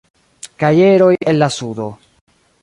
Kajeroj el la Sudo.